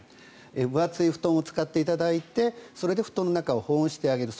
分厚い布団を使っていただいてそれで布団の中を保温してあげる。